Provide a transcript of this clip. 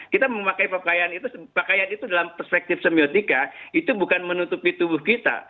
kita memakai pakaian itu pakaian itu dalam perspektif semiotika itu bukan menutupi tubuh kita